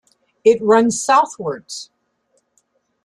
It runs southwards.